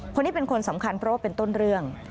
คนนี้เป็นคนสำคัญเพราะว่าเป็นต้นเรื่อง